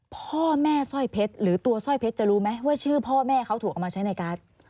พ่อแม่สร้อยเพชรหรือตัวสร้อยเพชรจะรู้ไหมว่าชื่อพ่อแม่เขาถูกเอามาใช้ในการ์ด